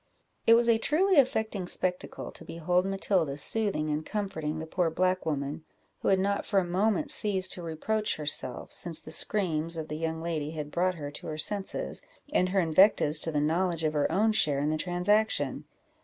It was a truly affecting spectacle to behold Matilda soothing and comforting the poor black woman, who had not for a moment ceased to reproach herself, since the screams of the young lady had brought her to her senses, and her invectives to the knowledge of her own share in the transaction.